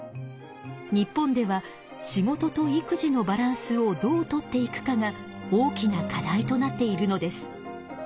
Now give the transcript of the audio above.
日本では仕事と育児のバランスをどうとっていくかが大きな課題となっているのです。